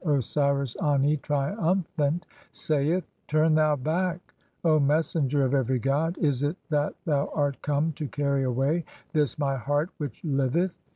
Osiris Ani, triumphant, saith :— "Turn thou hack, O messenger of every god ! (2) Is it that "thou art come [to carry away] this my heart which liveth?